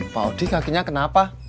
pak odi kakinya kenapa